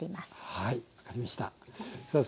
はい分かりました。